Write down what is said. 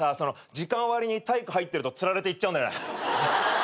時間割に体育入ってると釣られて行っちゃうんだよね。